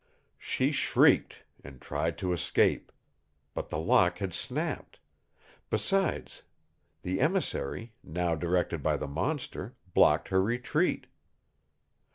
She shrieked and tried to escape. But the lock had snapped. Besides, the emissary, now directed by the monster, blocked her retreat.